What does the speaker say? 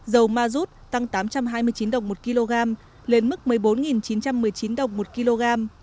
dầu ma rút tăng tám trăm hai mươi chín đồng một kg lên mức một mươi bốn chín trăm một mươi chín đồng một kg